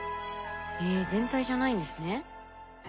え全体じゃないんですね。